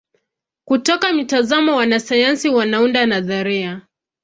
Kutoka mitazamo wanasayansi wanaunda nadharia.